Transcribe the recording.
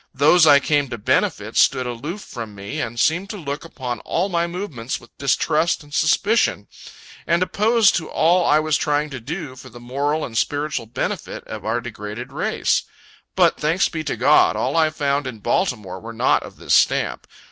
Those I came to benefit, stood aloof from me, and seemed to look upon all my movements with distrust and suspicion, and opposed to all I was trying to do for the moral and spiritual benefit of our degraded race. But, thanks be to God, all I found in Baltimore were not of this stamp.